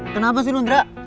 kenapa sih lundra